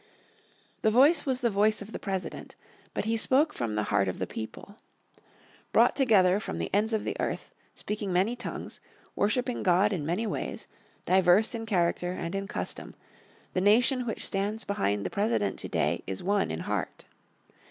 The voice was the voice of the President, but he spoke from the heart of the people. Brought together from the ends of the earth, speaking many tongues, worshiping God in many ways, diverse in character and in custom, the nation which stands behind the President to day is one in heart.